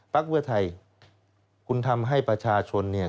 เพื่อไทยคุณทำให้ประชาชนเนี่ย